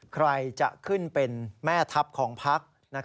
ใครจะขึ้นเป็นแม่ทัพของพัก